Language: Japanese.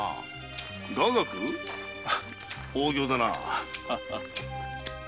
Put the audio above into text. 大仰だな。